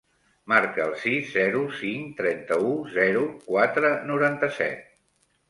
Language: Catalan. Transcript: Marca el sis, zero, cinc, trenta-u, zero, quatre, noranta-set.